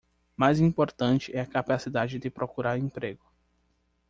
Mais importante é a capacidade de procurar emprego